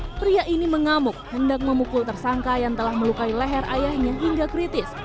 hai pria ini mengamuk hendak memukul tersangka yang telah melukai leher ayahnya hingga kritis